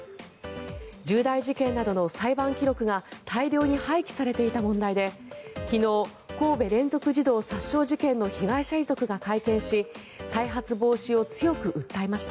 重大事件などの裁判記録が大量に廃棄されていた問題で昨日、神戸連続児童殺傷事件の被害者遺族が会見し再発防止を強く訴えました。